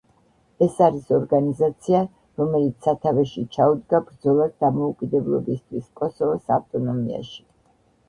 ეს არის ორგანიზაცია, რომელიც სათავეში ჩაუდგა ბრძოლას დამოუკიდებლობისთვის კოსოვოს ავტონომიაში.